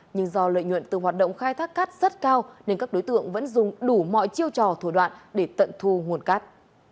nhưng do lợi nhuận từ hoạt động khai thác cát rất cao nên các đối tượng vẫn dùng đủ mọi chiêu trò thủ đoạn để tận thu nguồn cát